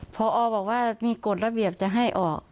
พอบอกว่ามีกฎระเบียบจะให้ออก